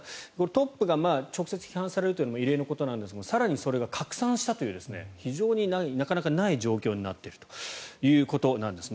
トップが直接批判されるということも異例のことなんですが更にそれが拡散するという非常になかなかない状況になっているということなんです。